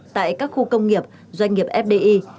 tại các khu công nghiệp doanh nghiệp fdi